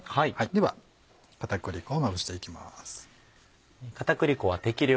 では片栗粉をまぶしていきます。